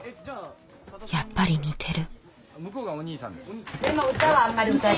やっぱり似てる。